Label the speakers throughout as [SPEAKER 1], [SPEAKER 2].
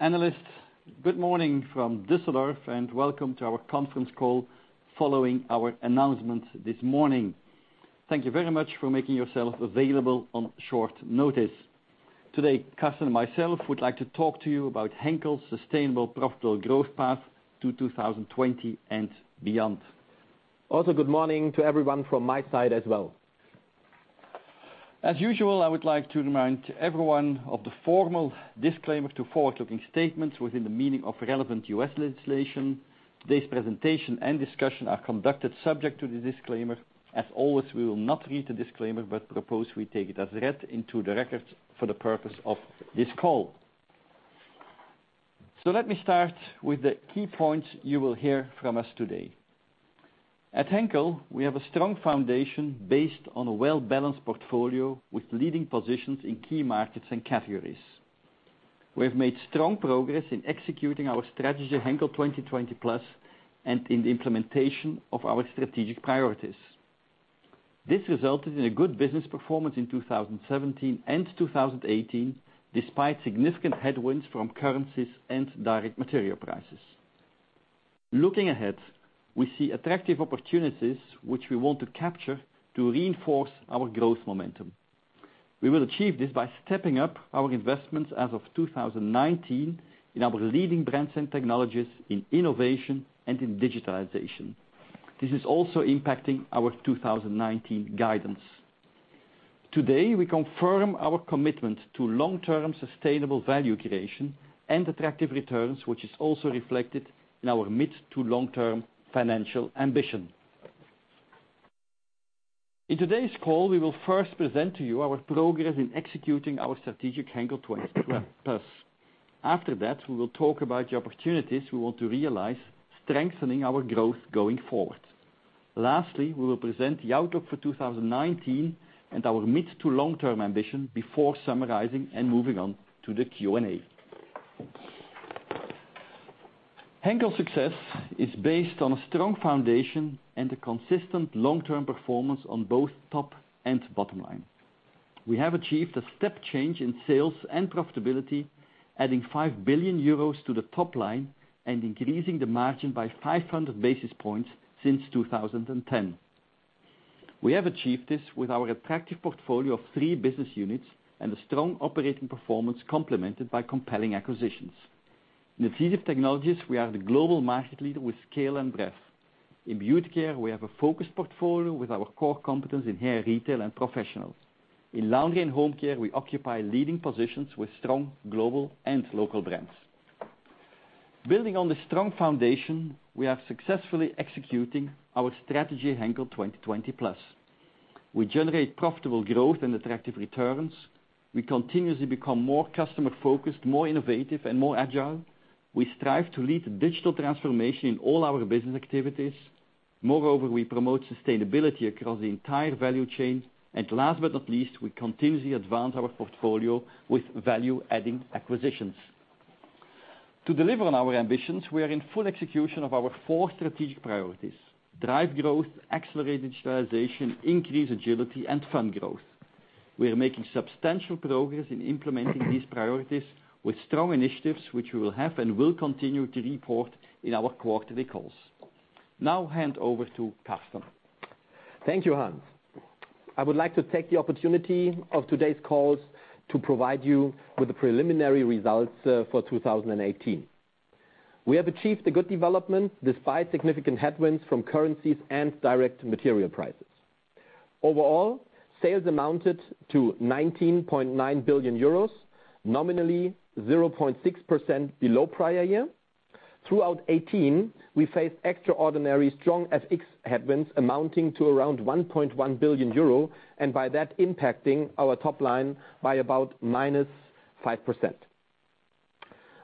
[SPEAKER 1] Analysts, good morning from Düsseldorf and welcome to our conference call following our announcement this morning. Thank you very much for making yourself available on short notice. Today, Carsten and myself would like to talk to you about Henkel's sustainable profitable growth path to 2020 and beyond.
[SPEAKER 2] Good morning to everyone from my side as well.
[SPEAKER 1] As usual, I would like to remind everyone of the formal disclaimer to forward-looking statements within the meaning of relevant U.S. legislation. Today's presentation and discussion are conducted subject to the disclaimer. As always, we will not read the disclaimer but propose we take it as read into the records for the purpose of this call. Let me start with the key points you will hear from us today. At Henkel, we have a strong foundation based on a well-balanced portfolio with leading positions in key markets and categories. We have made strong progress in executing our strategy, Henkel 2020+, and in the implementation of our strategic priorities. This resulted in a good business performance in 2017 and 2018, despite significant headwinds from currencies and direct material prices. Looking ahead, we see attractive opportunities which we want to capture to reinforce our growth momentum. We will achieve this by stepping up our investments as of 2019 in our leading brands and technologies, in innovation and in digitalization. This is also impacting our 2019 guidance. Today, we confirm our commitment to long-term sustainable value creation and attractive returns, which is also reflected in our mid to long-term financial ambition. In today's call, we will first present to you our progress in executing our strategic Henkel 2020+. After that, we will talk about the opportunities we want to realize, strengthening our growth going forward. Lastly, we will present the outlook for 2019 and our mid to long-term ambition before summarizing and moving on to the Q&A. Henkel's success is based on a strong foundation and a consistent long-term performance on both top and bottom line. We have achieved a step change in sales and profitability, adding 5 billion euros to the top line and increasing the margin by 500 basis points since 2010. We have achieved this with our attractive portfolio of three business units and a strong operating performance complemented by compelling acquisitions. In Adhesive Technologies, we are the global market leader with scale and breadth. In Beauty Care, we have a focused portfolio with our core competence in hair retail and professionals. In Laundry & Home Care, we occupy leading positions with strong global and local brands. Building on this strong foundation, we are successfully executing our strategy, Henkel 2020+. We generate profitable growth and attractive returns. We continuously become more customer-focused, more innovative, and more agile. We strive to lead digital transformation in all our business activities. Moreover, we promote sustainability across the entire value chain. Last but not least, we continuously advance our portfolio with value-adding acquisitions. To deliver on our ambitions, we are in full execution of our four strategic priorities: drive growth, accelerate digitalization, increase agility, and fund growth. We are making substantial progress in implementing these priorities with strong initiatives which we will continue to report in our quarterly calls. Now hand over to Carsten.
[SPEAKER 2] Thank you, Hans. I would like to take the opportunity of today's calls to provide you with the preliminary results for 2018. We have achieved a good development despite significant headwinds from currencies and direct material prices. Overall, sales amounted to 19.9 billion euros, nominally 0.6% below prior year. Throughout 2018, we faced extraordinary strong FX headwinds amounting to around 1.1 billion euro, and by that impacting our top line by about -5%.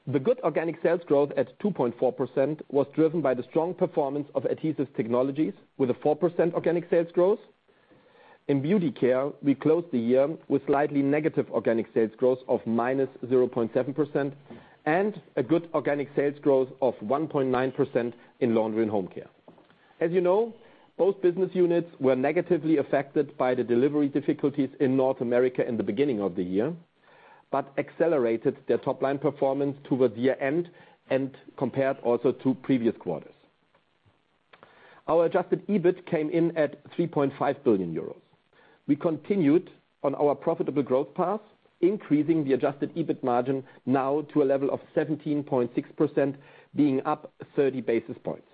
[SPEAKER 2] The good organic sales growth at 2.4% was driven by the strong performance of Adhesive Technologies with a 4% organic sales growth. In Beauty Care, we closed the year with slightly negative organic sales growth of -0.7%, and a good organic sales growth of 1.9% in Laundry & Home Care. As you know, both business units were negatively affected by the delivery difficulties in North America in the beginning of the year, accelerated their top-line performance towards the end and compared also to previous quarters. Our adjusted EBIT came in at 3.5 billion euros. We continued on our profitable growth path, increasing the adjusted EBIT margin now to a level of 17.6%, being up 30 basis points.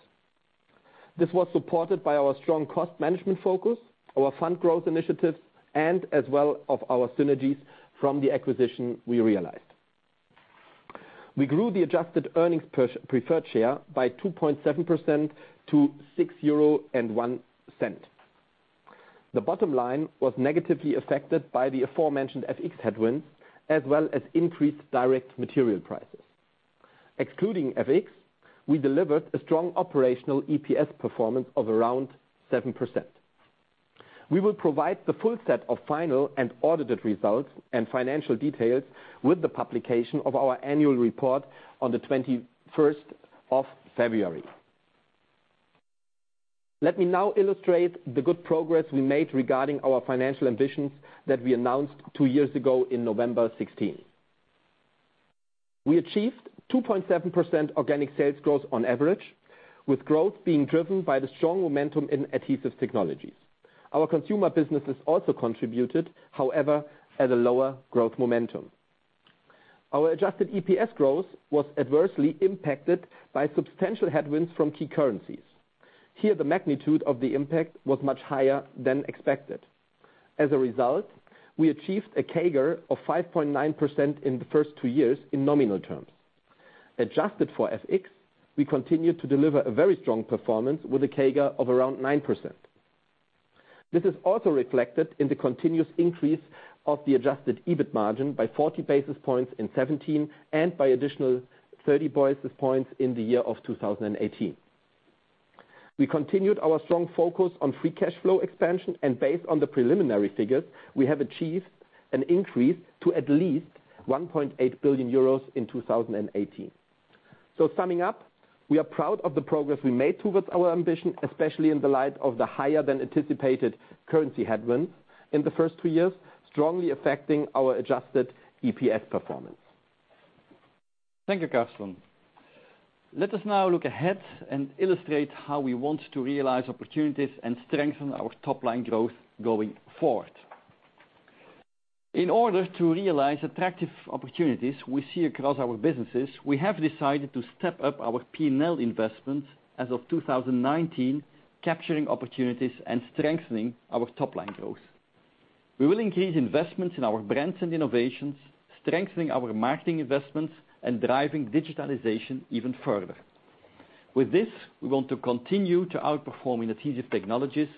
[SPEAKER 2] This was supported by our strong cost management focus, our fund growth initiatives, and as well of our synergies from the acquisition we realized. We grew the adjusted earnings per preferred share by 2.7% to 6.01 euro. The bottom line was negatively affected by the aforementioned FX headwinds, as well as increased direct material prices. Excluding FX, we delivered a strong operational EPS performance of around 7%. We will provide the full set of final and audited results and financial details with the publication of our annual report on the 21st of February. Let me now illustrate the good progress we made regarding our financial ambitions that we announced two years ago in November 2016. We achieved 2.7% organic sales growth on average, with growth being driven by the strong momentum in Adhesive Technologies. Our consumer businesses also contributed, however, at a lower growth momentum. Our adjusted EPS growth was adversely impacted by substantial headwinds from key currencies. Here, the magnitude of the impact was much higher than expected. As a result, we achieved a CAGR of 5.9% in the first two years in nominal terms. Adjusted for FX, we continued to deliver a very strong performance with a CAGR of around 9%. This is also reflected in the continuous increase of the adjusted EBIT margin by 40 basis points in 2017 and by additional 30 basis points in the year of 2018. We continued our strong focus on free cash flow expansion. Based on the preliminary figures, we have achieved an increase to at least 1.8 billion euros in 2018. Summing up, we are proud of the progress we made towards our ambition, especially in the light of the higher than anticipated currency headwinds in the first two years, strongly affecting our adjusted EPS performance.
[SPEAKER 1] Thank you, Carsten. Let us now look ahead and illustrate how we want to realize opportunities and strengthen our top-line growth going forward. In order to realize attractive opportunities we see across our businesses, we have decided to step up our P&L investments as of 2019, capturing opportunities and strengthening our top-line growth. We will increase investments in our brands and innovations, strengthening our marketing investments and driving digitalization even further. With this, we want to continue to outperform in Adhesive Technologies,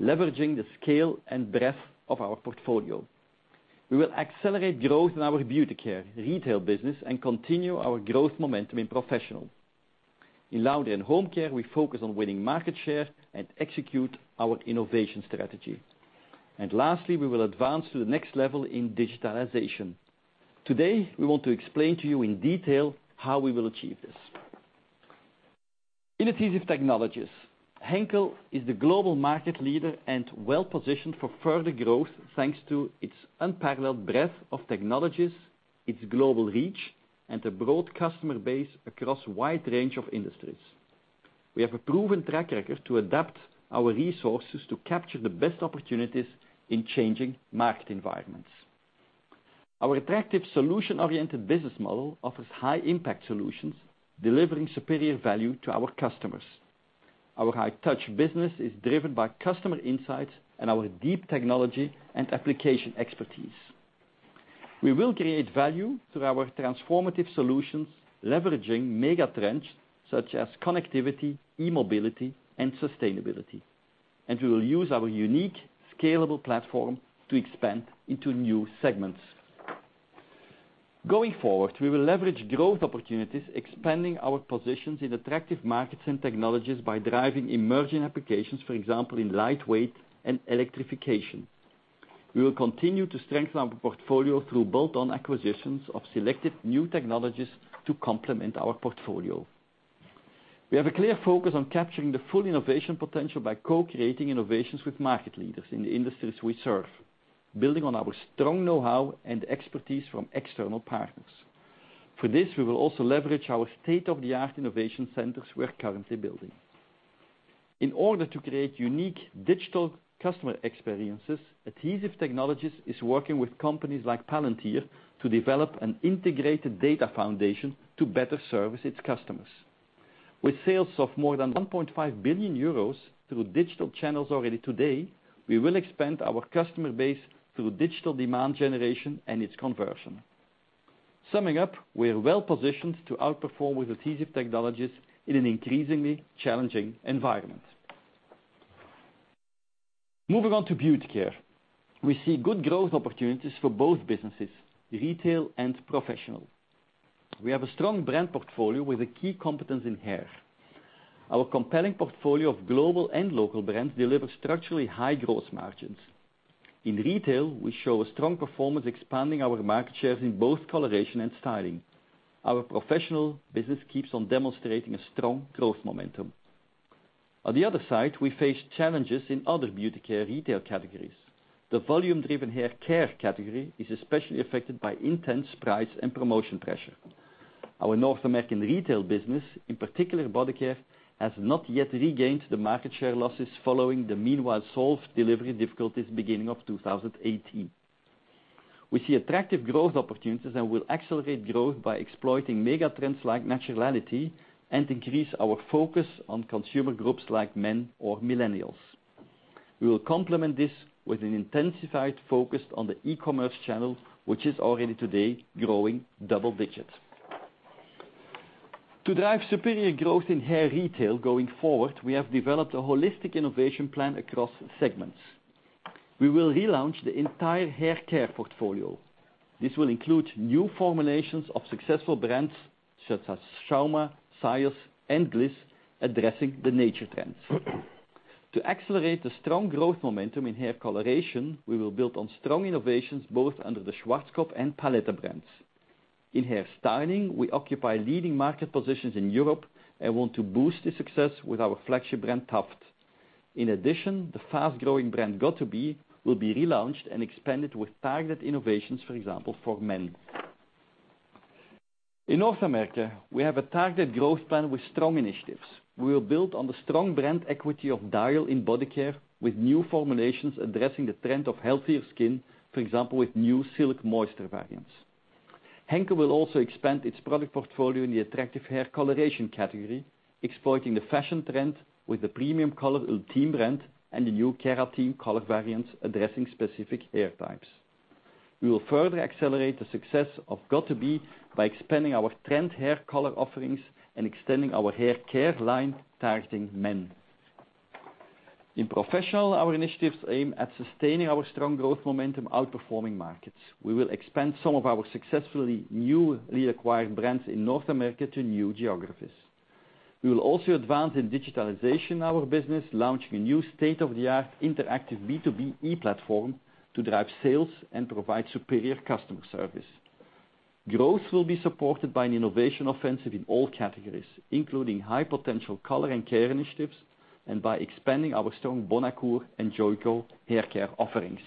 [SPEAKER 1] leveraging the scale and breadth of our portfolio. We will accelerate growth in our Beauty Care retail business and continue our growth momentum in Professional. In Laundry & Home Care, we focus on winning market share and execute our innovation strategy. Lastly, we will advance to the next level in digitalization. Today, we want to explain to you in detail how we will achieve this. In Adhesive Technologies, Henkel is the global market leader and well-positioned for further growth thanks to its unparalleled breadth of technologies, its global reach, and a broad customer base across a wide range of industries. We have a proven track record to adapt our resources to capture the best opportunities in changing market environments. Our attractive solution-oriented business model offers high-impact solutions, delivering superior value to our customers. Our high-touch business is driven by customer insights and our deep technology and application expertise. We will create value through our transformative solutions, leveraging mega trends such as connectivity, e-mobility, and sustainability. We will use our unique scalable platform to expand into new segments. Going forward, we will leverage growth opportunities, expanding our positions in attractive markets and technologies by driving emerging applications, for example, in lightweight and electrification. We will continue to strengthen our portfolio through bolt-on acquisitions of selected new technologies to complement our portfolio. We have a clear focus on capturing the full innovation potential by co-creating innovations with market leaders in the industries we serve, building on our strong know-how and expertise from external partners. For this, we will also leverage our state-of-the-art innovation centers we're currently building. In order to create unique digital customer experiences, Adhesive Technologies is working with companies like Palantir to develop an integrated data foundation to better service its customers. With sales of more than 1.5 billion euros through digital channels already today, we will expand our customer base through digital demand generation and its conversion. Summing up, we are well-positioned to outperform with Adhesive Technologies in an increasingly challenging environment. Moving on to Beauty Care. We see good growth opportunities for both businesses, retail and professional. We have a strong brand portfolio with a key competence in Hair. Our compelling portfolio of global and local brands delivers structurally high gross margins. In retail, we show a strong performance expanding our market shares in both coloration and styling. Our professional business keeps on demonstrating a strong growth momentum. On the other side, we face challenges in other Beauty Care retail categories. The volume-driven Hair Care category is especially affected by intense price and promotion pressure. Our North American retail business, in particular Body Care, has not yet regained the market share losses following the meanwhile solved delivery difficulties beginning of 2018. We see attractive growth opportunities and will accelerate growth by exploiting mega trends like naturality and increase our focus on consumer groups like men or millennials. We will complement this with an intensified focus on the e-commerce channel, which is already today growing double digits. To drive superior growth in hair retail going forward, we have developed a holistic innovation plan across segments. We will relaunch the entire hair care portfolio. This will include new formulations of successful brands such as Schauma, Syoss, and Gliss, addressing the nature trends. To accelerate the strong growth momentum in Hair Coloration, we will build on strong innovations both under the Schwarzkopf and Palette brands. In Hair Styling, we occupy leading market positions in Europe and want to boost the success with our flagship brand, Taft. In addition, the fast-growing brand got2b will be relaunched and expanded with targeted innovations, for example, for men. In North America, we have a targeted growth plan with strong initiatives. We will build on the strong brand equity of Dial in Body Care with new formulations addressing the trend of healthier skin, for example, with new Silk Moisture variants. Henkel will also expand its product portfolio in the attractive Hair Coloration category, exploiting the fashion trend with the premium Color ULTÎME brand and the new Keratin color variants addressing specific hair types. We will further accelerate the success of got2b by expanding our trend hair color offerings and extending our hair care line targeting men. In professional, our initiatives aim at sustaining our strong growth momentum, outperforming markets. We will expand some of our successfully newly acquired brands in North America to new geographies. We will also advance in digitalization our business, launching a new state-of-the-art interactive B2B e-platform to drive sales and provide superior customer service. Growth will be supported by an innovation offensive in all categories, including high-potential color and care initiatives and by expanding our strong Bonacure and Joico haircare offerings.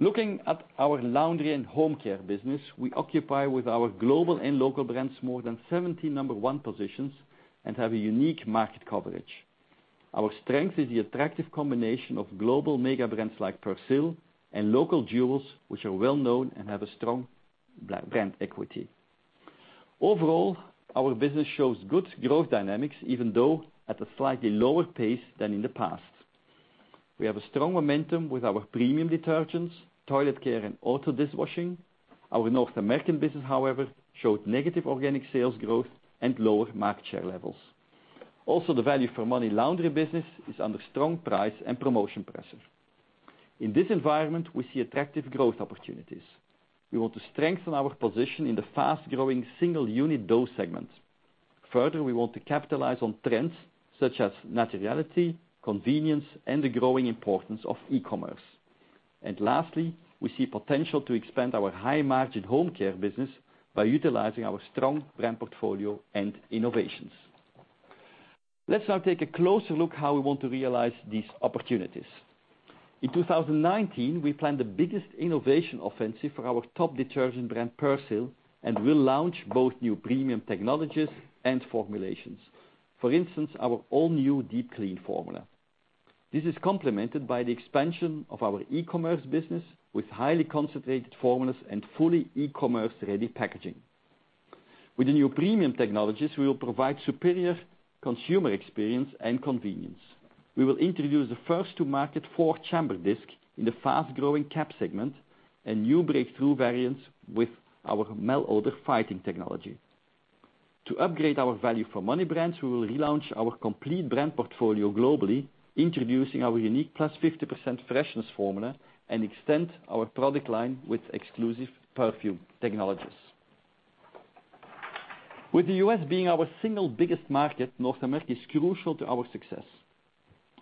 [SPEAKER 1] Looking at our Laundry & Home Care business, we occupy with our global and local brands more than 70 number one positions and have a unique market coverage. Our strength is the attractive combination of global mega brands like Persil and local jewels, which are well-known and have a strong brand equity. Overall, our business shows good growth dynamics, even though at a slightly lower pace than in the past. We have a strong momentum with our premium detergents, toilet care, and auto dishwashing. Our North American business, however, showed negative organic sales growth and lower market share levels. The value for money laundry business is under strong price and promotion pressure. In this environment, we see attractive growth opportunities. We want to strengthen our position in the fast-growing single unit dose segment. Further, we want to capitalize on trends such as naturality, convenience, and the growing importance of e-commerce. Lastly, we see potential to expand our high-margin Home Care business by utilizing our strong brand portfolio and innovations. Let's now take a closer look how we want to realize these opportunities. In 2019, we planned the biggest innovation offensive for our top detergent brand, Persil, and will launch both new premium technologies and formulations. For instance, our all-new deep clean formula. This is complemented by the expansion of our e-commerce business with highly concentrated formulas and fully e-commerce-ready packaging. With the new premium technologies, we will provide superior consumer experience and convenience. We will introduce the first to market four-chamber disc in the fast-growing caps segment and new breakthrough variants with our malodor fighting technology. To upgrade our value for money brands, we will relaunch our complete brand portfolio globally, introducing our unique +50% freshness formula and extend our product line with exclusive perfume technologies. With the U.S. being our single biggest market, North America is crucial to our success.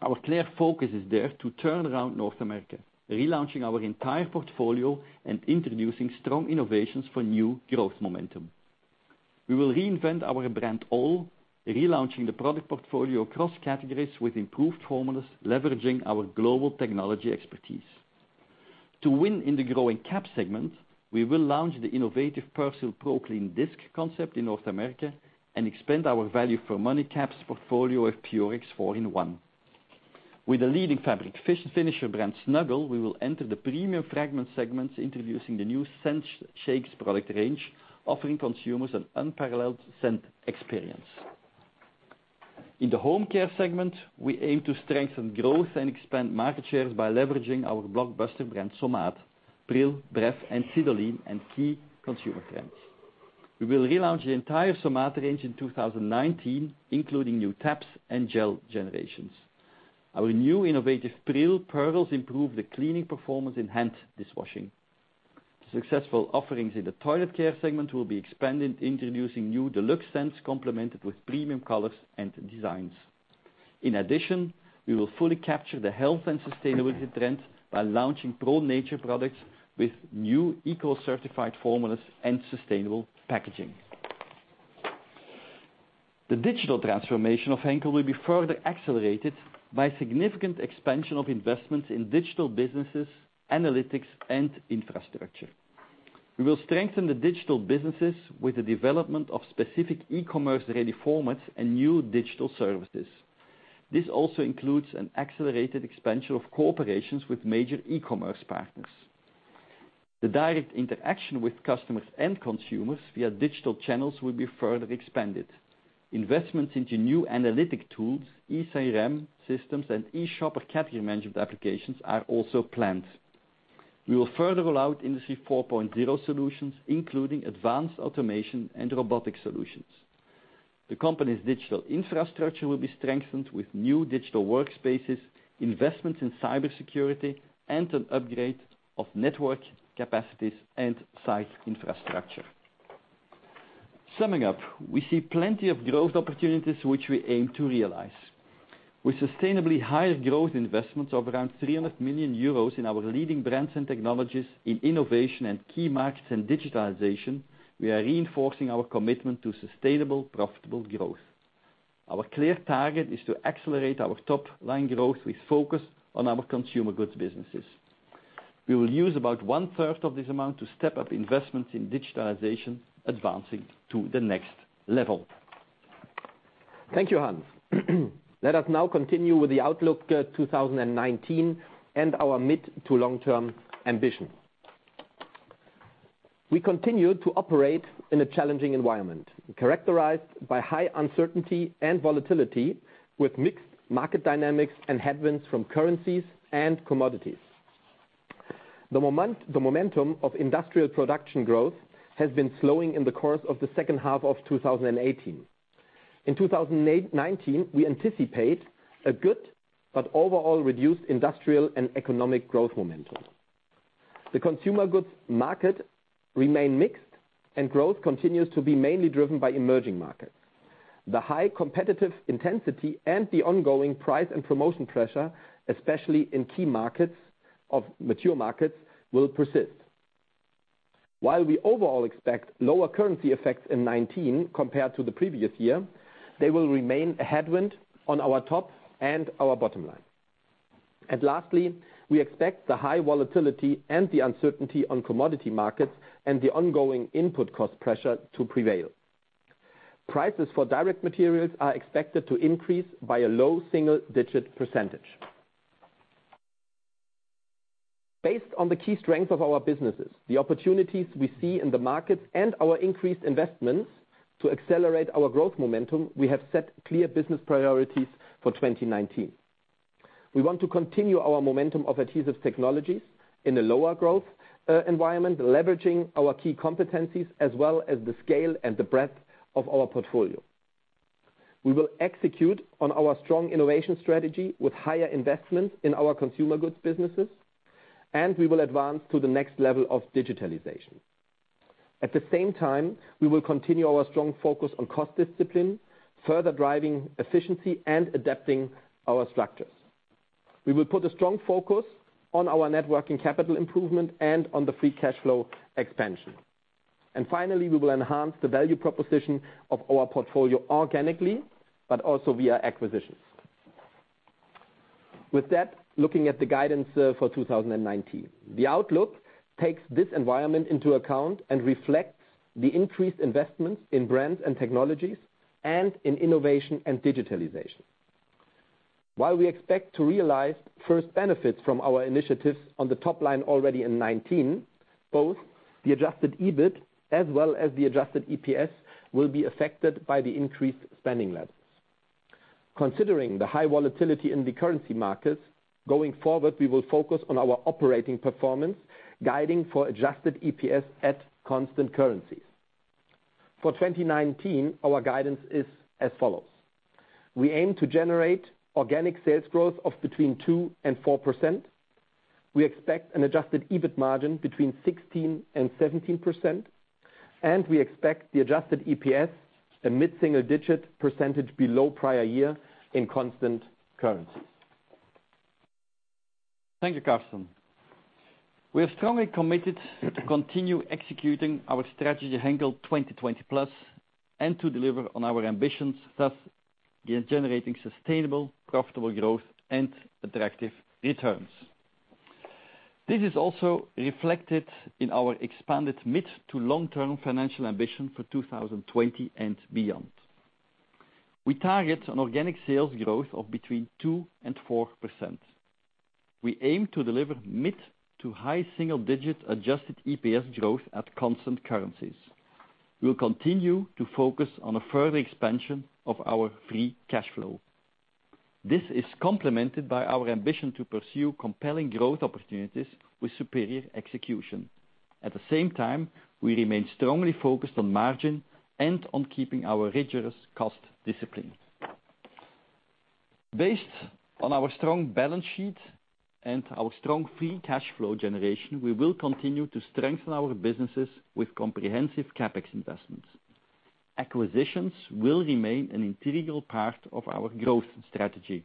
[SPEAKER 1] Our clear focus is there to turn around North America, relaunching our entire portfolio and introducing strong innovations for new growth momentum. We will reinvent our brand all, relaunching the product portfolio across categories with improved formulas, leveraging our global technology expertise. To win in the growing caps segment, we will launch the innovative Persil ProClean disc concept in North America and expand our value for money caps portfolio of Purex 4-in-1. With a leading fabric finisher brand, Snuggle, we will enter the premium fragrance segments, introducing the new Scent Shake product range, offering consumers an unparalleled scent experience. In the Home Care segment, we aim to strengthen growth and expand market shares by leveraging our blockbuster brand, Somat, Pril, Bref, and Sidolin, and key consumer trends. We will relaunch the entire Somat range in 2019, including new tabs and gel generations. Our new innovative Pril pearls improve the cleaning performance in hand dishwashing. Successful offerings in the toilet care segment will be expanded, introducing new deluxe scents complemented with premium colors and designs. In addition, we will fully capture the health and sustainability trend by launching Pro Nature products with new eco-certified formulas and sustainable packaging. The digital transformation of Henkel will be further accelerated by significant expansion of investments in digital businesses, analytics, and infrastructure. We will strengthen the digital businesses with the development of specific e-commerce-ready formats and new digital services. This also includes an accelerated expansion of cooperations with major e-commerce partners. The direct interaction with customers and consumers via digital channels will be further expanded. Investments into new analytic tools, eCRM systems, and e-shopper category management applications are also planned. We will further roll out Industry 4.0 solutions, including advanced automation and robotic solutions. The company's digital infrastructure will be strengthened with new digital workspaces, investments in cybersecurity, and an upgrade of network capacities and site infrastructure. Summing up, we see plenty of growth opportunities which we aim to realize. With sustainably higher growth investments of around 300 million euros in our leading brands and technologies in innovation and key markets and digitalization, we are reinforcing our commitment to sustainable profitable growth. Our clear target is to accelerate our top-line growth with focus on our consumer goods businesses. We will use about one third of this amount to step up investments in digitalization, advancing to the next level.
[SPEAKER 2] Thank you, Hans. Let us now continue with the outlook 2019 and our mid to long-term ambition. We continue to operate in a challenging environment characterized by high uncertainty and volatility with mixed market dynamics and headwinds from currencies and commodities. The momentum of industrial production growth has been slowing in the course of the second half of 2018. In 2019, we anticipate a good but overall reduced industrial and economic growth momentum. The consumer goods market remain mixed and growth continues to be mainly driven by emerging markets. The high competitive intensity and the ongoing price and promotion pressure, especially in key markets of mature markets, will persist. While we overall expect lower currency effects in 2019 compared to the previous year, they will remain a headwind on our top and our bottom line. Lastly, we expect the high volatility and the uncertainty on commodity markets and the ongoing input cost pressure to prevail. Prices for direct materials are expected to increase by a low single-digit percentage. Based on the key strengths of our businesses, the opportunities we see in the markets, and our increased investments to accelerate our growth momentum, we have set clear business priorities for 2019. We want to continue our momentum of Adhesive Technologies in a lower growth environment, leveraging our key competencies as well as the scale and the breadth of our portfolio. We will execute on our strong innovation strategy with higher investments in our consumer goods businesses, and we will advance to the next level of digitalization. At the same time, we will continue our strong focus on cost discipline, further driving efficiency and adapting our structures. We will put a strong focus on our net working capital improvement and on the free cash flow expansion. Finally, we will enhance the value proposition of our portfolio organically, but also via acquisitions. With that, looking at the guidance for 2019. The outlook takes this environment into account and reflects the increased investments in brands and technologies and in innovation and digitalization. While we expect to realize first benefits from our initiatives on the top line already in 2019, both the adjusted EBIT as well as the adjusted EPS will be affected by the increased spending levels. Considering the high volatility in the currency markets, going forward, we will focus on our operating performance, guiding for adjusted EPS at constant currencies. For 2019, our guidance is as follows: We aim to generate organic sales growth of between 2% and 4%. We expect an adjusted EBIT margin between 16% and 17%. We expect the adjusted EPS a mid-single digit percentage below prior year in constant currencies.
[SPEAKER 1] Thank you, Carsten. We are strongly committed to continue executing our strategy, Henkel 2020+, and to deliver on our ambitions, thus generating sustainable, profitable growth and attractive returns. This is also reflected in our expanded mid to long-term financial ambition for 2020 and beyond. We target an organic sales growth of between 2% and 4%. We aim to deliver mid to high single-digit adjusted EPS growth at constant currencies. We will continue to focus on a further expansion of our free cash flow. This is complemented by our ambition to pursue compelling growth opportunities with superior execution. At the same time, we remain strongly focused on margin and on keeping our rigorous cost discipline. Based on our strong balance sheet and our strong free cash flow generation, we will continue to strengthen our businesses with comprehensive CapEx investments. Acquisitions will remain an integral part of our growth strategy.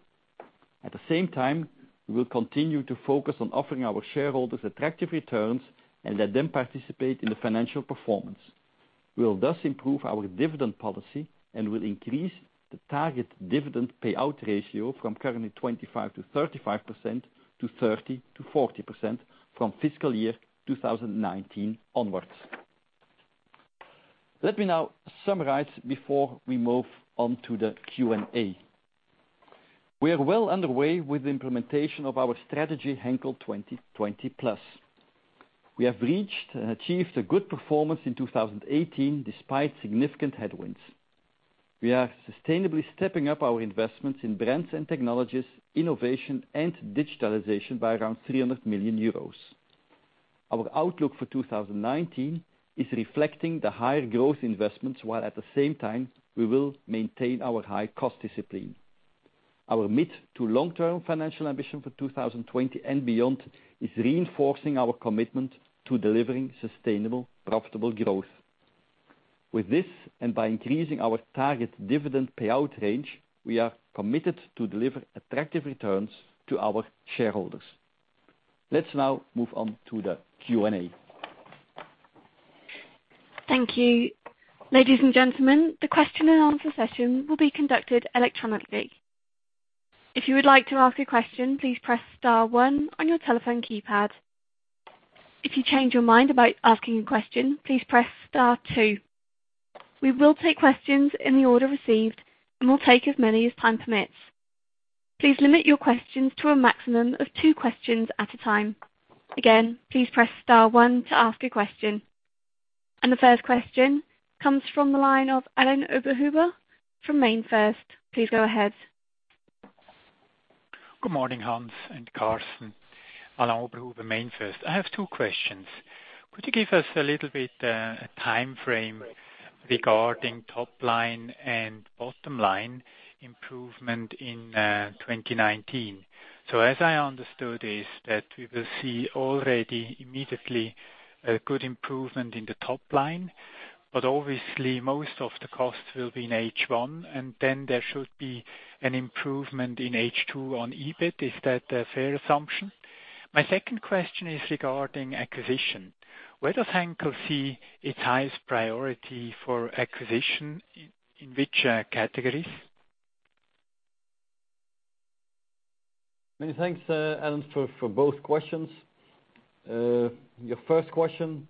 [SPEAKER 1] At the same time, we will continue to focus on offering our shareholders attractive returns and let them participate in the financial performance. We will thus improve our dividend policy and will increase the target dividend payout ratio from currently 25%-35%, to 30%-40% from fiscal year 2019 onwards. Let me now summarize before we move on to the Q&A. We are well underway with the implementation of our strategy, Henkel 2020+. We have reached and achieved a good performance in 2018 despite significant headwinds. We are sustainably stepping up our investments in brands and technologies, innovation and digitalization by around 300 million euros. Our outlook for 2019 is reflecting the higher growth investments, while at the same time, we will maintain our high cost discipline. Our mid-to-long-term financial ambition for 2020 and beyond is reinforcing our commitment to delivering sustainable, profitable growth. With this, by increasing our target dividend payout range, we are committed to deliver attractive returns to our shareholders. Let's now move on to the Q&A.
[SPEAKER 3] Thank you. Ladies and gentlemen, the question and answer session will be conducted electronically. If you would like to ask a question, please press star one on your telephone keypad. If you change your mind about asking a question, please press star two. We will take questions in the order received and we'll take as many as time permits. Please limit your questions to a maximum of two questions at a time. Again, please press star one to ask a question. The first question comes from the line of Alain Oberhuber from MainFirst. Please go ahead.
[SPEAKER 4] Good morning, Hans and Carsten. Alain Oberhuber, MainFirst. I have two questions. Could you give us a little bit a timeframe regarding top line and bottom line improvement in 2019? As I understood is that we will see already immediately a good improvement in the top line, but obviously most of the costs will be in H1, and then there should be an improvement in H2 on EBIT. Is that a fair assumption? My second question is regarding acquisition. Where does Henkel see its highest priority for acquisition, in which categories?
[SPEAKER 1] Many thanks, Alain, for both questions. Your first question,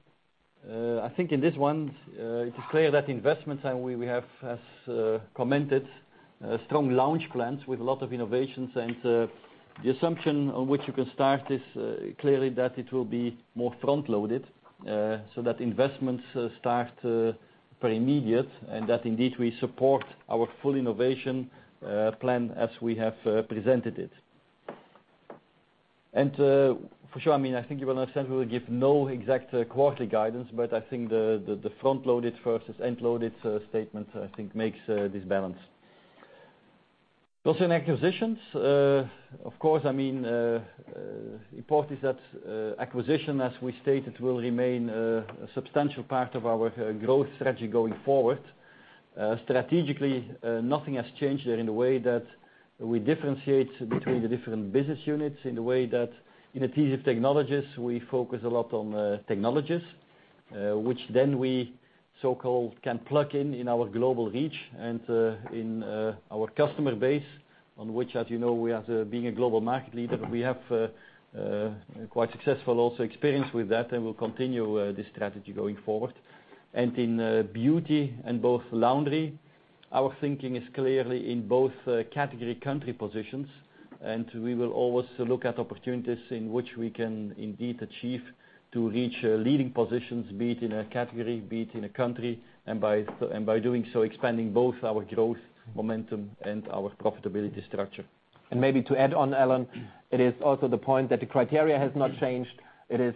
[SPEAKER 1] I think in this one it is clear that investments and we have as commented, strong launch plans with a lot of innovations. The assumption on which you can start is clearly that it will be more front-loaded, so that investments start very immediate and that indeed we support our full innovation plan as we have presented it. For sure, I think you will understand we will give no exact quarterly guidance, but I think the front-loaded versus end-loaded statement makes this balance. Also in acquisitions, of course, important is that acquisition, as we stated, will remain a substantial part of our growth strategy going forward. Strategically, nothing has changed there in the way that we differentiate between the different business units, in the way that in Adhesive Technologies, we focus a lot on technologies, which then we so-called can plug in our global reach and in our customer base, on which, as you know, we as being a global market leader, we have quite successful also experience with that and we'll continue this strategy going forward. In Beauty and both Laundry, our thinking is clearly in both category country positions, and we will always look at opportunities in which we can indeed achieve to reach leading positions, be it in a category, be it in a country, and by doing so, expanding both our growth momentum and our profitability structure.
[SPEAKER 2] Maybe to add on, Alain, it is also the point that the criteria has not changed. It is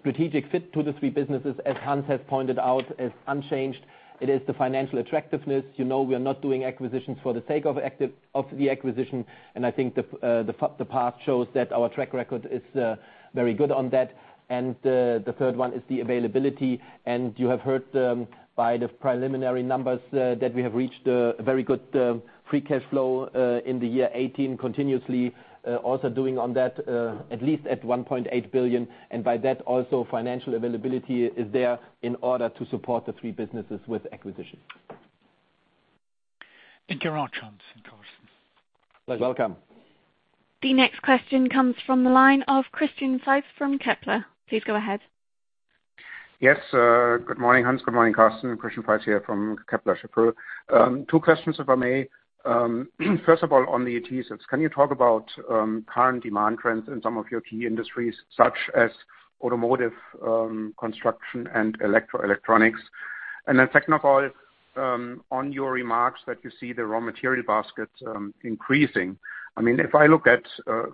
[SPEAKER 2] strategic fit to the three businesses, as Hans has pointed out, as unchanged. It is the financial attractiveness. You know we are not doing acquisitions for the sake of the acquisition, and I think the path shows that our track record is very good on that. The third one is the availability. You have heard by the preliminary numbers that we have reached a very good free cash flow in the year 2018, continuously also doing on that at least at 1.8 billion. By that also, financial availability is there in order to support the three businesses with acquisition.
[SPEAKER 4] Thank you very much, Hans and Carsten.
[SPEAKER 2] Pleasure.
[SPEAKER 1] Welcome.
[SPEAKER 3] The next question comes from the line of Christian Faitz from Kepler. Please go ahead.
[SPEAKER 5] Yes, good morning, Hans. Good morning, Carsten. Christian Faitz here from Kepler Cheuvreux. Two questions, if I may. First of all, on the adhesives, can you talk about current demand trends in some of your key industries, such as automotive, construction, and electro electronics? Second of all, on your remarks that you see the raw material baskets increasing. If I look at,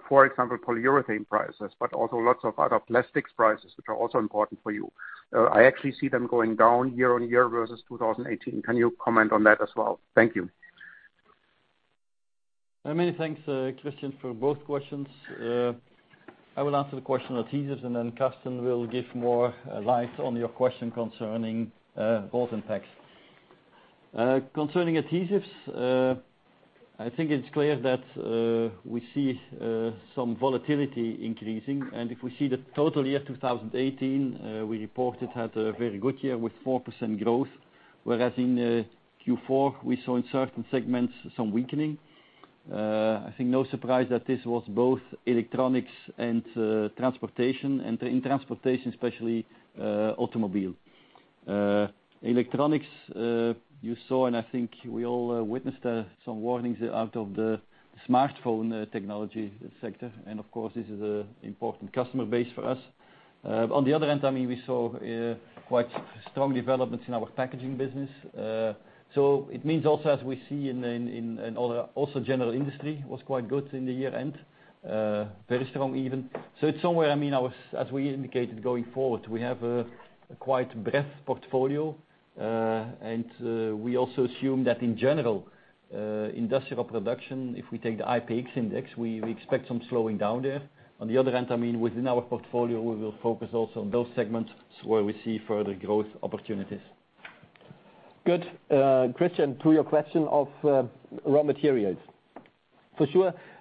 [SPEAKER 5] for example, polyurethane prices, but also lots of other plastics prices, which are also important for you, I actually see them going down year-on-year versus 2018. Can you comment on that as well? Thank you.
[SPEAKER 1] Many thanks, Christian, for both questions. I will answer the question adhesives, and then Carsten will give more light on your question concerning both impacts. Concerning adhesives, I think it's clear that we see some volatility increasing, and if we see the total year 2018, we reported had a very good year with 4% growth, whereas in Q4, we saw in certain segments some weakening. I think no surprise that this was both Electronics and Transportation. In Transportation, especially automobile. Electronics, you saw, and I think we all witnessed some warnings out of the smartphone technology sector. Of course, this is an important customer base for us. On the other end, we saw quite strong developments in our packaging business. It means also as we see in also general industry was quite good in the year-end. Very strong even. It's somewhere, as we indicated going forward, we have a quite breadth portfolio. We also assume that in general, industrial production, if we take the IPX index, we expect some slowing down there. On the other hand, within our portfolio, we will focus also on those segments where we see further growth opportunities.
[SPEAKER 2] Good. Christian, to your question of raw materials.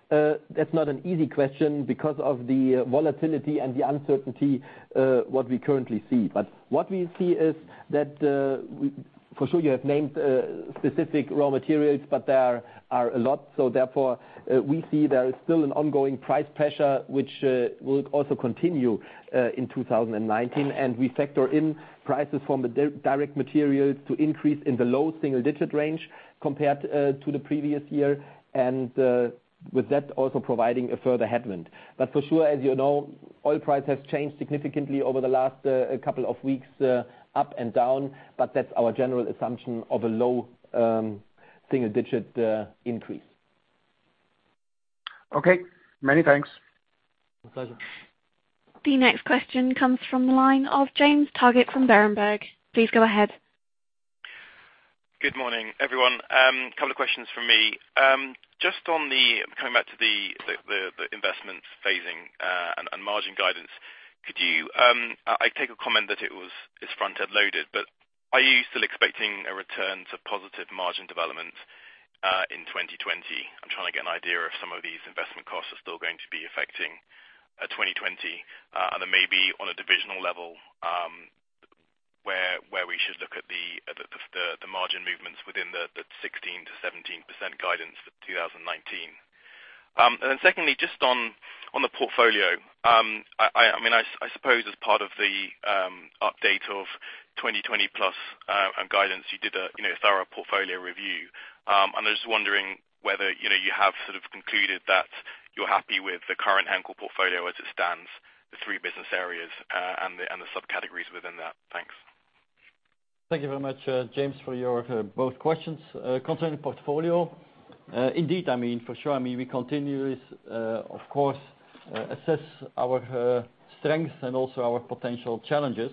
[SPEAKER 2] That's not an easy question because of the volatility and the uncertainty what we currently see. What we see is that, for sure you have named specific raw materials, but there are a lot. Therefore we see there is still an ongoing price pressure, which will also continue in 2019. We factor in prices from the direct materials to increase in the low single-digit range compared to the previous year. With that, also providing a further headwind. For sure, as you know, oil price has changed significantly over the last couple of weeks, up and down, but that's our general assumption of a low single-digit increase.
[SPEAKER 5] Okay. Many thanks.
[SPEAKER 2] My pleasure.
[SPEAKER 3] The next question comes from the line of James Targett from Berenberg. Please go ahead.
[SPEAKER 6] Good morning, everyone. Couple of questions from me. Coming back to the investment phasing and margin guidance. I take a comment that it is front-end loaded, are you still expecting a return to positive margin development in 2020? I'm trying to get an idea if some of these investment costs are still going to be affecting 2020. Maybe on a divisional level, where we should look at the margin movements within the 16%-17% guidance for 2019. Secondly, just on the portfolio. I suppose as part of the update of 2020+ and guidance, you did a thorough portfolio review. I'm just wondering whether you have sort of concluded that you're happy with the current Henkel portfolio as it stands, the three business areas and the subcategories within that. Thanks.
[SPEAKER 1] Thank you very much James for both questions. Concerning portfolio. For sure, we continuously of course assess our strengths and also our potential challenges.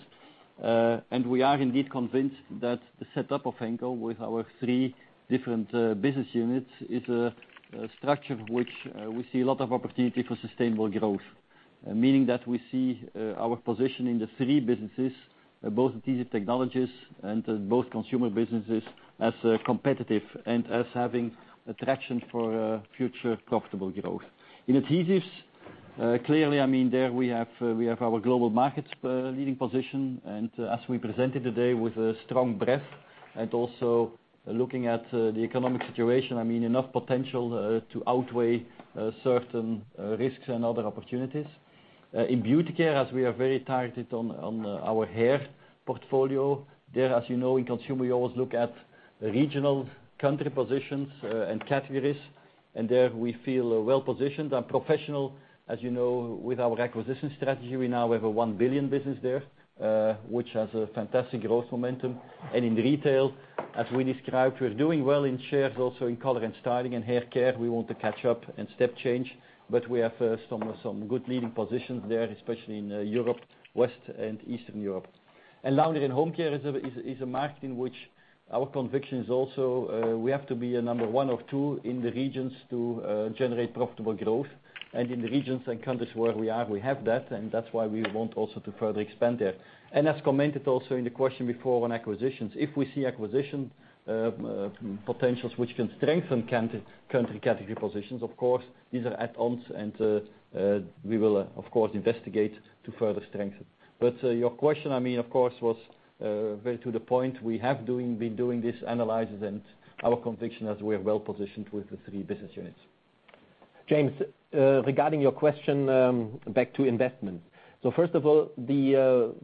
[SPEAKER 1] We are indeed convinced that the setup of Henkel with our three different business units is a structure which we see a lot of opportunity for sustainable growth. Meaning that we see our position in the three businesses, both Adhesive Technologies and both consumer businesses, as competitive and as having attraction for future profitable growth. In adhesives, clearly, there we have our global markets leading position, and as we presented today with a strong breadth, and also looking at the economic situation, enough potential to outweigh certain risks and other opportunities. In Beauty Care, as we are very targeted on our Hair portfolio. There as you know in consumer, we always look at regional country positions and categories. There we feel well positioned and professional. As you know with our acquisition strategy, we now have a 1 billion business there, which has a fantastic growth momentum. In retail, as we described, we're doing well in shares also in Color and Styling and Haircare. We want to catch up and step change, but we have some good leading positions there, especially in Europe, Western and Eastern Europe. Laundry & Home Care is a market in which our conviction is also we have to be a number one of two in the regions to generate profitable growth. In the regions and countries where we are, we have that, and that's why we want also to further expand there. As commented also in the question before on acquisitions, if we see acquisition potentials which can strengthen country category positions, of course these are add-ons and we will of course investigate to further strengthen. Your question of course was very to the point. We have been doing these analyses and our conviction is we are well positioned with the three business units.
[SPEAKER 2] James, regarding your question, back to investments. First of all,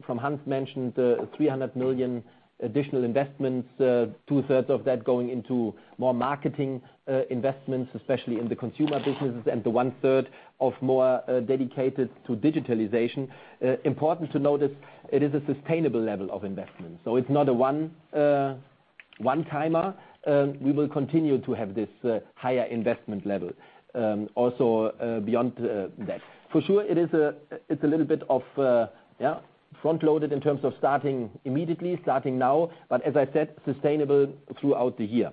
[SPEAKER 2] from Hans mentioned the 300 million additional investments, 2/3 of that going into more marketing investments, especially in the consumer businesses and the 1/3 of more dedicated to digitalization. Important to notice it is a sustainable level of investment. It's not a one timer. We will continue to have this higher investment level also beyond that. For sure, it's a little bit of front-loaded in terms of starting immediately, starting now, but as I said sustainable throughout the year.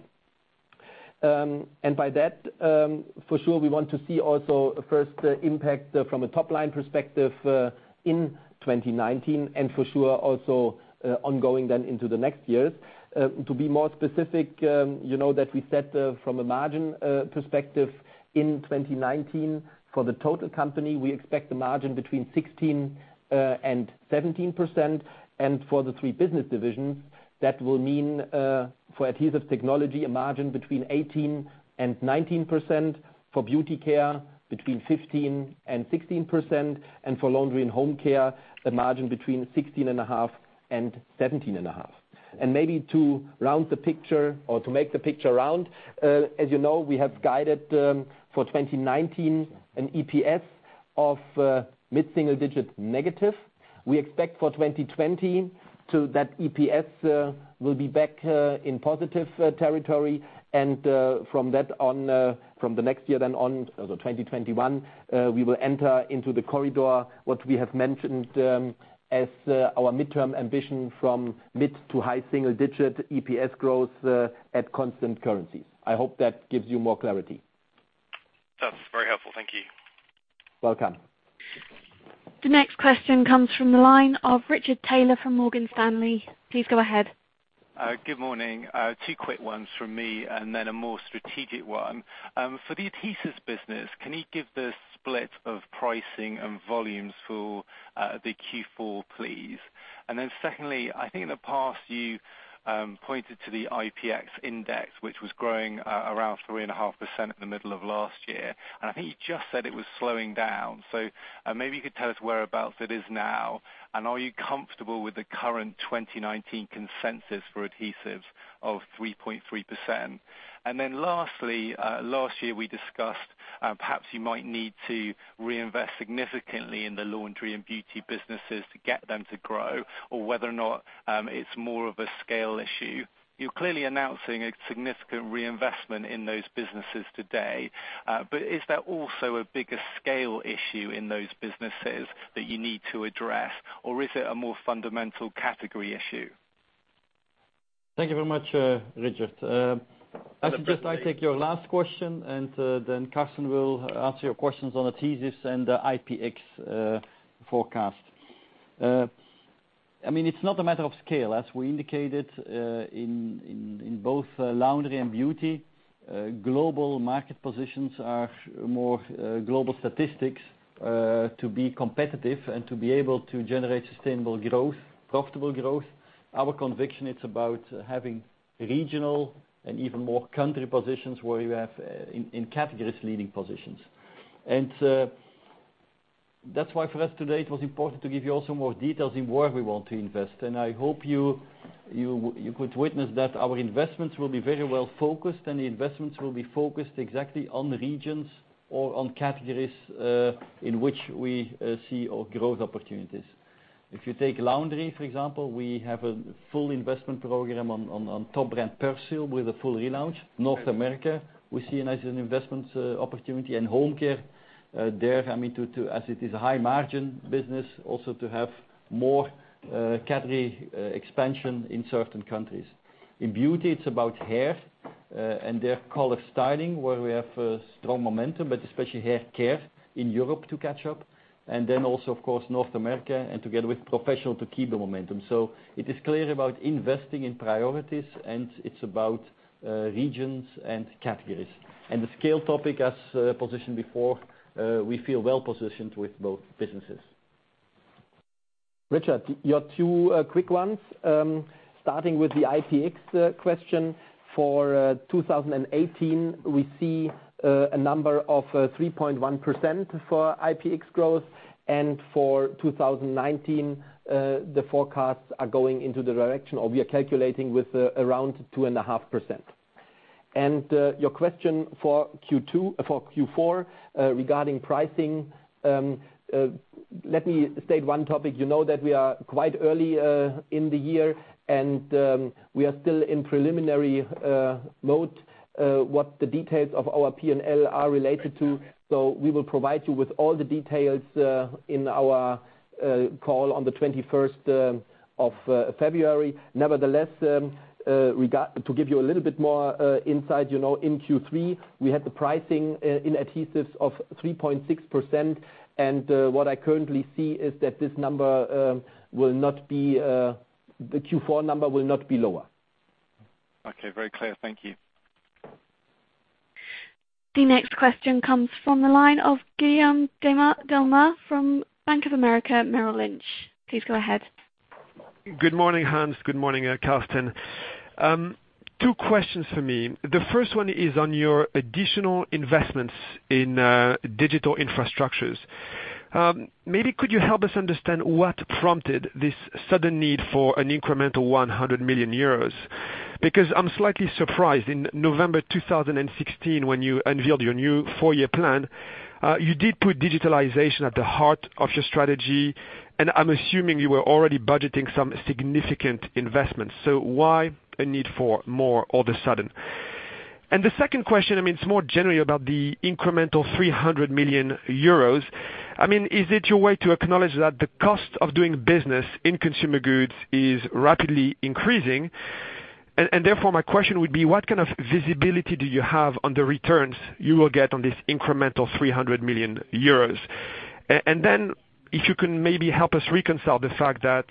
[SPEAKER 2] By that, for sure we want to see also first impact from a top line perspective in 2019 and for sure also ongoing then into the next years. To be more specific, you know that we said from a margin perspective in 2019 for the total company, we expect the margin between 16% and 17%. For the three business divisions, that will mean for Adhesive Technologies, a margin between 18% and 19%. For Beauty Care between 15% and 16%. For Laundry & Home Care, a margin between 16.5% and 17.5%. Maybe to round the picture or to make the picture round, as you know we have guided for 2019 an EPS of mid-single digit negative. We expect for 2020 that EPS will be back in positive territory, from the next year on, so 2021, we will enter into the corridor, what we have mentioned as our midterm ambition from mid to high single digit EPS growth at constant currencies. I hope that gives you more clarity.
[SPEAKER 6] That's very helpful. Thank you.
[SPEAKER 1] Welcome.
[SPEAKER 3] The next question comes from the line of Richard Taylor from Morgan Stanley. Please go ahead.
[SPEAKER 7] Good morning. Two quick ones from me and then a more strategic one. For the Adhesives business, can you give the split of pricing and volumes for the Q4, please? Secondly, I think in the past you pointed to the IPX index, which was growing around 3.5% at the middle of last year. I think you just said it was slowing down. Maybe you could tell us whereabouts it is now, and are you comfortable with the current 2019 consensus for adhesives of 3.3%? Lastly, last year we discussed perhaps you might need to reinvest significantly in the Laundry and Beauty businesses to get them to grow or whether or not it's more of a scale issue. You're clearly announcing a significant reinvestment in those businesses today. Is there also a bigger scale issue in those businesses that you need to address, or is it a more fundamental category issue?
[SPEAKER 1] Thank you very much, Richard. I suggest I take your last question, then Carsten will answer your questions on adhesives and IPX forecast. It's not a matter of scale. As we indicated in both Laundry and Beauty, global market positions are more global statistics to be competitive and to be able to generate sustainable growth, profitable growth. Our conviction, it's about having regional and even more country positions where you have in categories leading positions. That's why for us today, it was important to give you also more details in where we want to invest. I hope you could witness that our investments will be very well-focused, and the investments will be focused exactly on regions or on categories, in which we see our growth opportunities. If you take laundry, for example, we have a full investment program on top brand Persil with a full relaunch. North America, we see as an investment opportunity in Home Care. There, as it is a high margin business also to have more category expansion in certain countries. In Beauty, it's about Hair, and there Color Styling, where we have strong momentum, but especially Hair Care in Europe to catch up. Of course, North America and together with professional to keep the momentum. It is clear about investing in priorities, and it's about regions and categories. The scale topic as positioned before, we feel well positioned with both businesses.
[SPEAKER 2] Richard, your two quick ones. Starting with the IPX question. For 2018, we see a number of 3.1% for IPX growth, and for 2019, the forecasts are going into the direction, or we are calculating with around 2.5%. Your question for Q4 regarding pricing, let me state one topic. You know that we are quite early in the year, and we are still in preliminary mode, what the details of our P&L are related to. We will provide you with all the details in our call on the 21st of February. Nevertheless, to give you a little bit more insight, in Q3, we had the pricing in adhesives of 3.6%, and what I currently see is that the Q4 number will not be lower.
[SPEAKER 7] Okay. Very clear. Thank you.
[SPEAKER 3] The next question comes from the line of Guillaume Delmas from Bank of America Merrill Lynch. Please go ahead.
[SPEAKER 8] Good morning, Hans. Good morning, Carsten. Two questions for me. The first one is on your additional investments in digital infrastructures. Maybe could you help us understand what prompted this sudden need for an incremental 100 million euros? Because I'm slightly surprised. In November 2016, when you unveiled your new four-year plan, you did put digitalization at the heart of your strategy, and I'm assuming you were already budgeting some significant investments. Why a need for more all of a sudden? The second question, it's more generally about the incremental 300 million euros. Is it your way to acknowledge that the cost of doing business in Consumer Goods is rapidly increasing? Therefore my question would be, what kind of visibility do you have on the returns you will get on this incremental 300 million euros? If you can maybe help us reconcile the fact that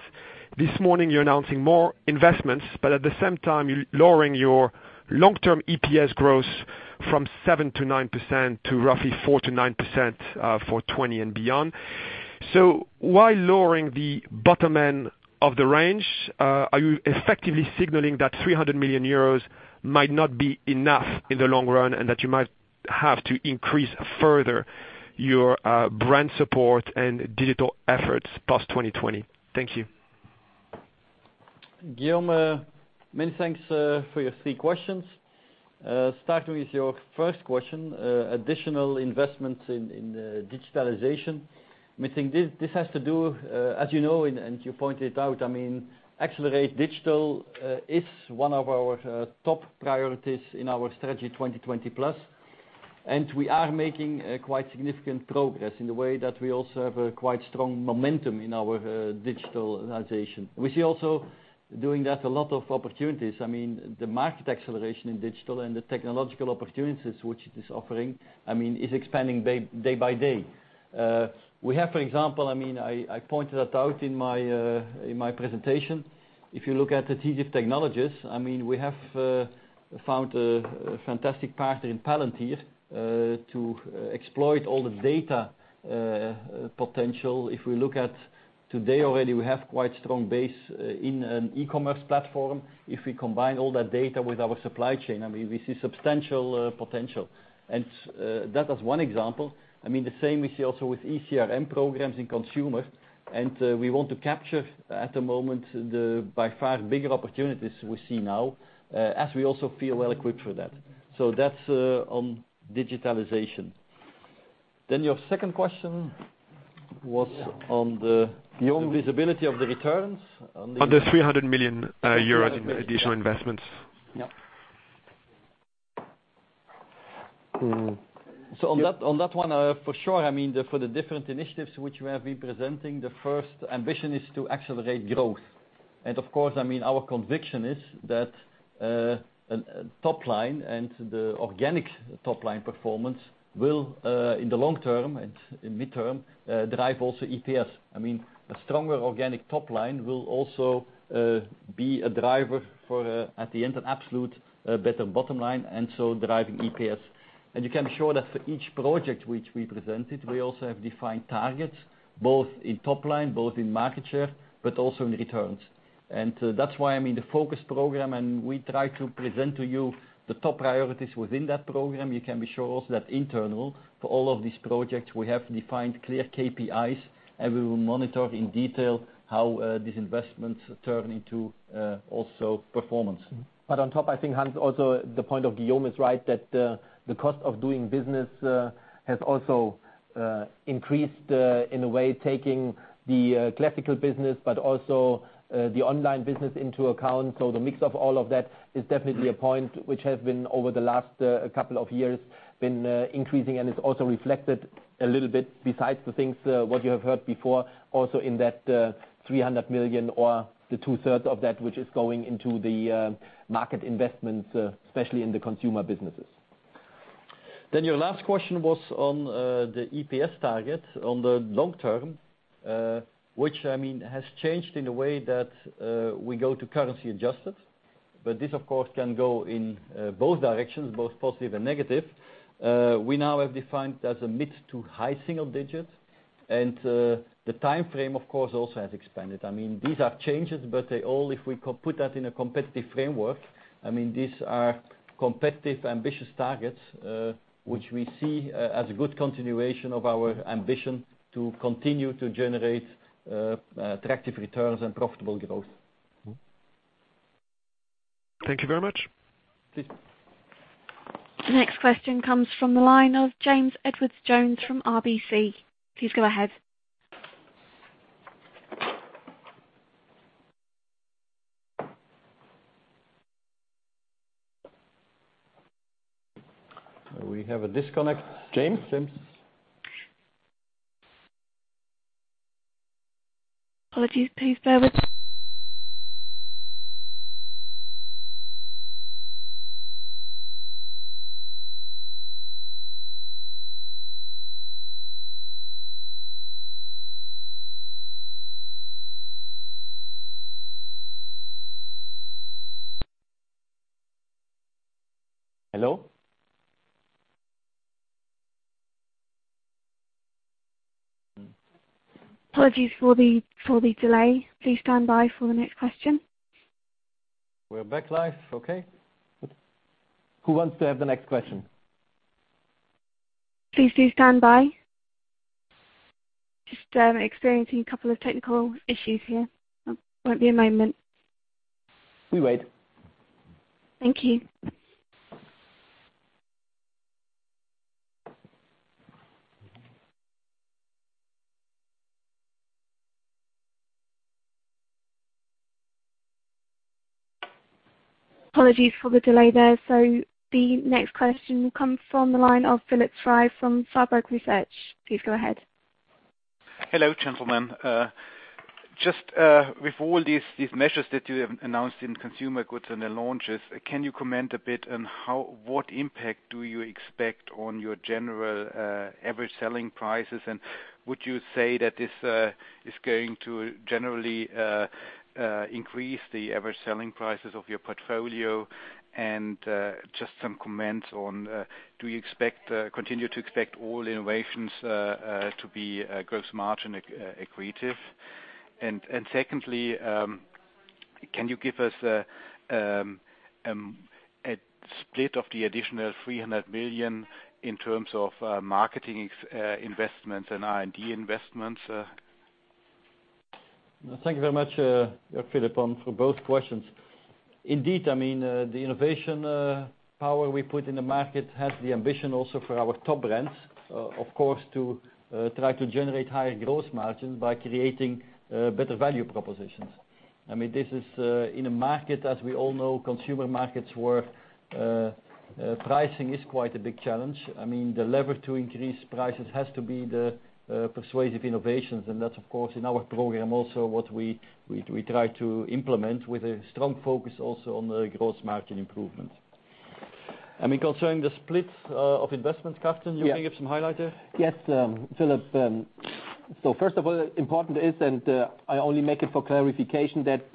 [SPEAKER 8] this morning you're announcing more investments, but at the same time, you're lowering your long-term EPS growth from 7%-9% to roughly 4%-9%, for 2020 and beyond. Why lowering the bottom end of the range? Are you effectively signaling that 300 million euros might not be enough in the long run, and that you might have to increase further your brand support and digital efforts past 2020? Thank you.
[SPEAKER 1] Guillaume, many thanks for your three questions. Starting with your first question, additional investments in digitalization. This has to do, as you know and you pointed out, accelerate digital is one of our top priorities in our strategy 2020+, and we are making quite significant progress in the way that we also have a quite strong momentum in our digitalization. We see also doing that a lot of opportunities. The market acceleration in digital and the technological opportunities which it is offering is expanding day by day. We have, for example, I pointed that out in my presentation, if you look at the digital technologies, we have found a fantastic partner in Palantir to exploit all the data potential. If we look at today already we have quite strong base in an e-commerce platform. If we combine all that data with our supply chain, we see substantial potential. That is one example. The same we see also with eCRM programs in consumer. We want to capture at the moment, by far bigger opportunities we see now, as we also feel well-equipped for that. That's on digitalization. Your second question was on the visibility of the returns on the-
[SPEAKER 8] On the 300 million euros in additional investments.
[SPEAKER 1] Yeah. On that one, for sure, for the different initiatives which we have been presenting, the first ambition is to accelerate growth. Of course, our conviction is that top line and the organic top-line performance will, in the long term and in mid-term, drive also EPS. A stronger organic top line will also be a driver for, at the end, an absolute better bottom line, driving EPS. You can be sure that for each project which we presented, we also have defined targets, both in top line, both in market share, also in returns. That's why, the Focus Program, we try to present to you the top priorities within that program. You can be sure also that internally for all of these projects, we have defined clear KPIs, we will monitor in detail how these investments turn into also performance.
[SPEAKER 2] On top, I think, Hans, also the point of Guillaume is right, that the cost of doing business has also increased, in a way taking the classical business but also the online business into account. The mix of all of that is definitely a point which has been over the last couple of years been increasing and is also reflected a little bit besides the things what you have heard before, also in that 300 million or the 2/3 of that which is going into the market investments, especially in the consumer businesses.
[SPEAKER 1] Your last question was on the EPS target on the long term, which has changed in the way that we go to currency adjusted. This, of course, can go in both directions, both positive and negative. We now have defined as a mid to high single digits. The time frame, of course, also has expanded. These are changes, but if we put that in a competitive framework, these are competitive, ambitious targets, which we see as a good continuation of our ambition to continue to generate attractive returns and profitable growth.
[SPEAKER 8] Thank you very much.
[SPEAKER 1] Please.
[SPEAKER 3] The next question comes from the line of James Edwardes Jones from RBC. Please go ahead.
[SPEAKER 1] We have a disconnect. James?
[SPEAKER 3] Apologies. Please bear with-
[SPEAKER 1] Hello?
[SPEAKER 3] Apologies for the delay. Please stand by for the next question.
[SPEAKER 1] We're back live. Okay.
[SPEAKER 2] Who wants to have the next question?
[SPEAKER 3] Please do stand by. Just experiencing a couple of technical issues here. Won't be a moment.
[SPEAKER 2] We wait.
[SPEAKER 3] Thank you. Apologies for the delay there. The next question comes from the line of Philipp Frey from Warburg Research. Please go ahead.
[SPEAKER 9] Hello, gentlemen. Just with all these measures that you have announced in consumer goods and the launches, can you comment a bit on what impact do you expect on your general average selling prices? Would you say that this is going to generally increase the average selling prices of your portfolio? Just some comments on, do you continue to expect all innovations to be gross margin accretive? Secondly, can you give us a split of the additional 300 million in terms of marketing investments and R&D investments.
[SPEAKER 1] Thank you very much, Philipp, for both questions. Indeed, the innovation power we put in the market has the ambition also for our top brands, of course, to try to generate higher gross margins by creating better value propositions. This is in a market, as we all know, consumer markets, where pricing is quite a big challenge. The lever to increase prices has to be the persuasive innovations, and that's, of course, in our program also what we try to implement with a strong focus also on the gross margin improvement. Concerning the split of investments, Carsten, you may give some highlight there?
[SPEAKER 2] Yes, Philipp. First of all, important is, and I only make it for clarification, that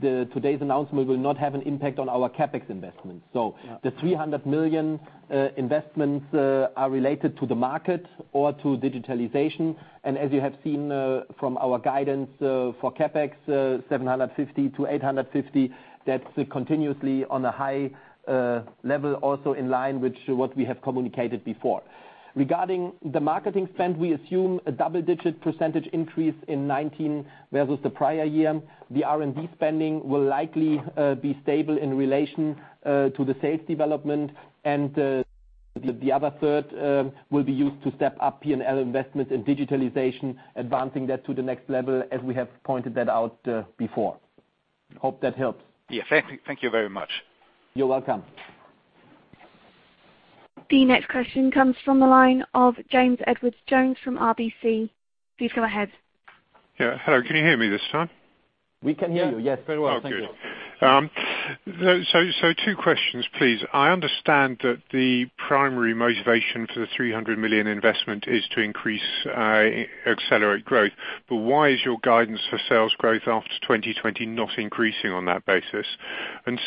[SPEAKER 2] today's announcement will not have an impact on our CapEx investments. The 300 million investments are related to the market or to digitalization. As you have seen from our guidance for CapEx, 750 million-850 million, that's continuously on a high level also in line with what we have communicated before. Regarding the marketing spend, we assume a double-digit percentage increase in 2019 versus the prior year. The R&D spending will likely be stable in relation to the sales development, and the other third will be used to step up P&L investment in digitalization, advancing that to the next level as we have pointed that out before. Hope that helps.
[SPEAKER 9] Yeah. Thank you very much.
[SPEAKER 2] You're welcome.
[SPEAKER 3] The next question comes from the line of James Edwardes Jones from RBC. Please go ahead.
[SPEAKER 10] Yeah. Hello, can you hear me this time?
[SPEAKER 1] We can hear you, yes. Very well, thank you.
[SPEAKER 10] Oh, good. Two questions, please. I understand that the primary motivation for the 300 million investment is to increase accelerate growth. Why is your guidance for sales growth after 2020 not increasing on that basis?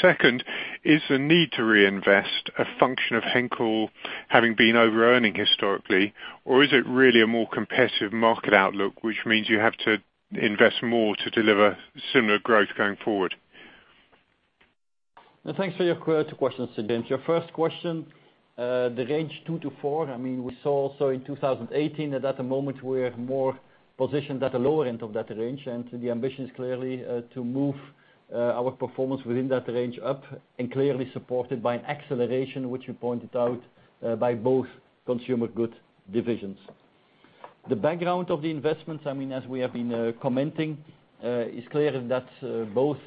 [SPEAKER 10] Second, is the need to reinvest a function of Henkel having been over-earning historically, or is it really a more competitive market outlook, which means you have to invest more to deliver similar growth going forward?
[SPEAKER 1] Thanks for your two questions, James. Your first question, the range two to four, we saw also in 2018 that at the moment we're more positioned at the lower end of that range, and the ambition is clearly to move our performance within that range up and clearly supported by an acceleration, which you pointed out, by both consumer goods divisions. The background of the investments, as we have been commenting, is clear that both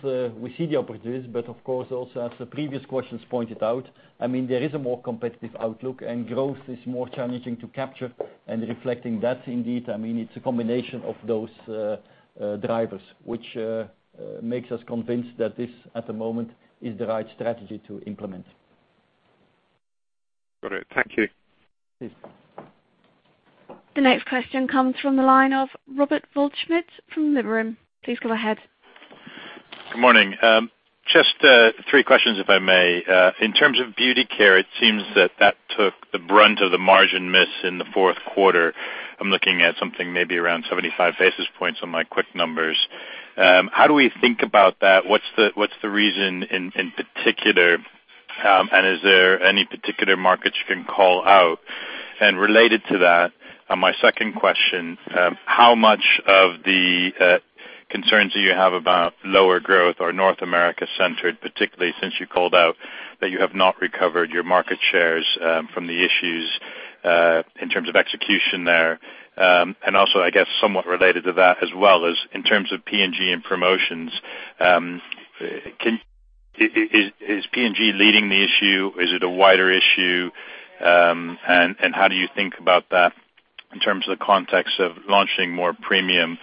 [SPEAKER 1] we see the opportunities, but of course also as the previous questions pointed out, there is a more competitive outlook, and growth is more challenging to capture and reflecting that indeed. It's a combination of those drivers, which makes us convinced that this, at the moment, is the right strategy to implement.
[SPEAKER 10] Got it. Thank you.
[SPEAKER 1] Please.
[SPEAKER 3] The next question comes from the line of Robert Waldschmidt from Liberum. Please go ahead.
[SPEAKER 11] Good morning. Just three questions, if I may. In terms of Beauty Care, it seems that that took the brunt of the margin miss in the fourth quarter. I'm looking at something maybe around 75 basis points on my quick numbers. How do we think about that? What's the reason in particular, and is there any particular markets you can call out? Related to that, my second question, how much of the concerns that you have about lower growth are North America centered, particularly since you called out that you have not recovered your market shares from the issues in terms of execution there. Also, I guess somewhat related to that as well is in terms of P&G and promotions, is P&G leading the issue? Is it a wider issue? How do you think about that in terms of the context of launching more premium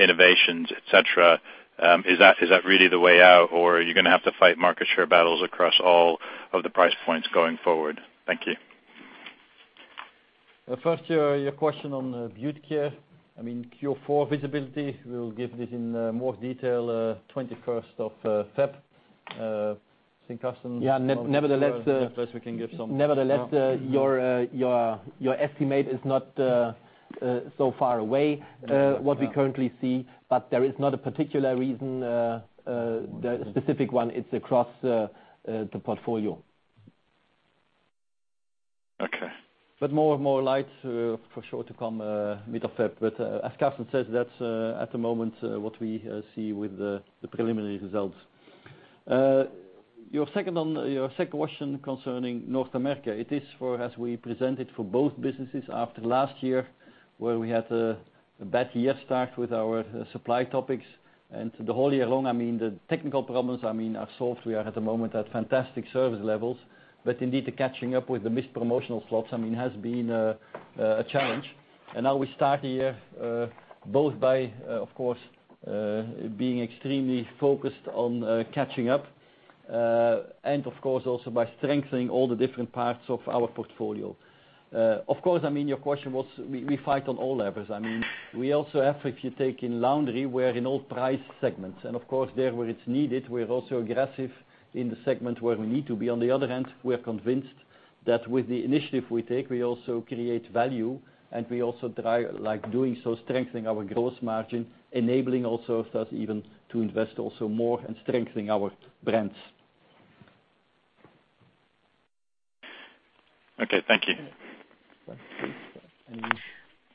[SPEAKER 11] innovations, et cetera? Is that really the way out or are you going to have to fight market share battles across all of the price points going forward? Thank you.
[SPEAKER 2] First, your question on Beauty Care. Q4 visibility, we'll give this in more detail 21st of February.
[SPEAKER 1] Yeah. First we can give-
[SPEAKER 2] Nevertheless, your estimate is not so far away what we currently see. There is not a particular reason, the specific one, it's across the portfolio.
[SPEAKER 11] Okay.
[SPEAKER 1] More light for sure to come mid of February. As Carsten says, that's at the moment what we see with the preliminary results. Your second question concerning North America. It is for, as we presented for both businesses after last year, where we had a bad year start with our supply topics. The whole year long, the technical problems are solved. We are at the moment at fantastic service levels. Indeed, the catching up with the missed promotional slots has been a challenge. Now we start the year both by, of course, being extremely focused on catching up. Of course, also by strengthening all the different parts of our portfolio. Of course, your question was we fight on all levers. We also have, if you take in laundry, we're in all price segments. Of course, there where it's needed, we're also aggressive in the segment where we need to be. On the other hand, we're convinced that with the initiative we take, we also create value, and we also try doing so, strengthening our gross margin, enabling also us even to invest also more and strengthening our brands.
[SPEAKER 11] Okay, thank you.
[SPEAKER 1] Yeah.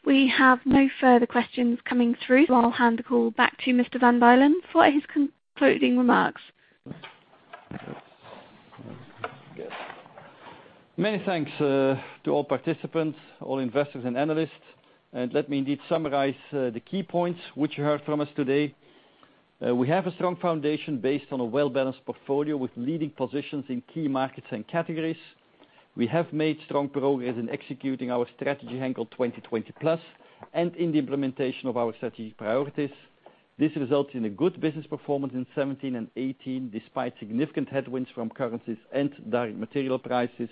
[SPEAKER 3] We have no further questions coming through. I'll hand the call back to Mr. Van Bylen for his concluding remarks.
[SPEAKER 1] Many thanks to all participants, all investors and analysts. Let me indeed summarize the key points which you heard from us today. We have a strong foundation based on a well-balanced portfolio with leading positions in key markets and categories. We have made strong progress in executing our strategy Henkel 2020+, and in the implementation of our strategic priorities. This results in a good business performance in 2017 and 2018, despite significant headwinds from currencies and direct material prices.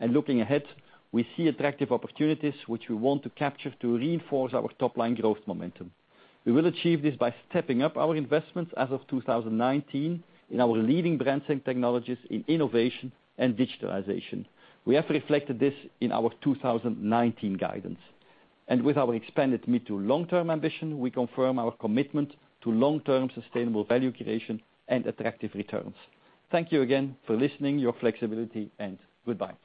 [SPEAKER 1] Looking ahead, we see attractive opportunities which we want to capture to reinforce our top line growth momentum. We will achieve this by stepping up our investments as of 2019 in our leading brands and technologies in innovation and digitalization. We have reflected this in our 2019 guidance. With our expanded mid to long-term ambition, we confirm our commitment to long-term sustainable value creation and attractive returns. Thank you again for listening, your flexibility, and goodbye.